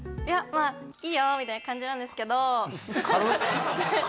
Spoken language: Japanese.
いやまあいいよみたいな感じなんですけど軽っ！